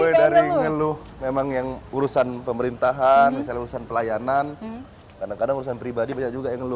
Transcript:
mulai dari ngeluh memang yang urusan pemerintahan misalnya urusan pelayanan kadang kadang urusan pribadi banyak juga yang ngeluh